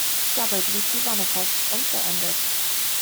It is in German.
Dabei blieb die Wanne fast unverändert.